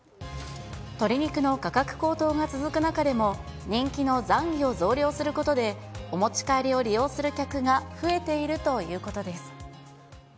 鶏肉の価格高騰が続く中でも、人気のざんぎを増量することで、お持ち帰りを利用する客が増えているということです。